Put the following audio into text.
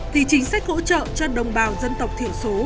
thì chính sách hỗ trợ cho đồng bào dân tộc thiểu số